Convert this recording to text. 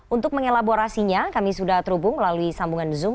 untuk mengelaborasinya kami sudah terhubung melalui sambungan zoom